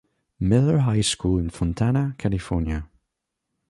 Miller High School in Fontana, California.